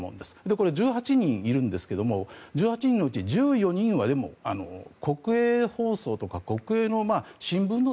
これ、１８人いるんですけども１８人のうち１４人は国営放送とか国営の新聞の